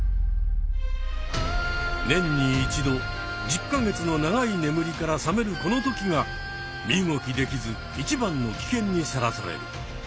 年に一度１０か月の長いねむりから覚めるこの時が身動きできず一番の危険にさらされる。